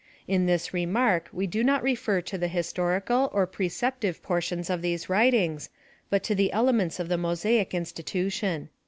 In this remark we do not refer to tne his torical or preceptive jiortions of thse writings, but to chu ele PLAN OP SALVATION. Ill ments of the Mosaic institution.